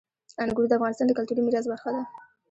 انګور د افغانستان د کلتوري میراث برخه ده.